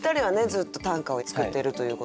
ずっと短歌を作っているということで。